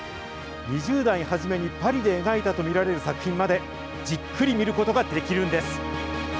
２０代初めにパリで描いたと見られる作品まで、じっくり見ることが出来るんです。